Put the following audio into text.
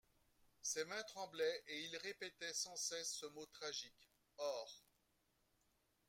Ses mains tremblaient et il répétait sans cesse ce mot tragique: OR.